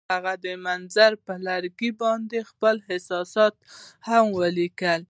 هغوی د منظر پر لرګي باندې خپل احساسات هم لیکل.